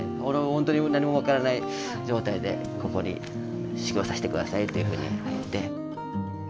本当に何も分からない状態でここに修業させてくださいっていうふうに言って。